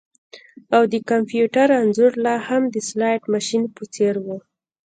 او د کمپیوټر انځور لاهم د سلاټ ماشین په څیر و